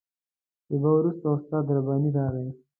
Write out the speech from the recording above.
شېبه وروسته استاد رباني راغی.